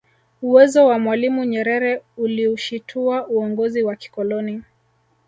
Uwezo wa mwalimu Nyerere uliushitua uongozi wa kikoloni